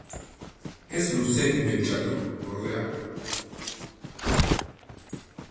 Ez luzeegi pentsatu, ordea.